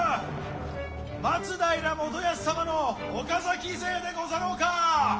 松平元康様の岡崎勢でござろうか！